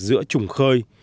giữa chủng khơi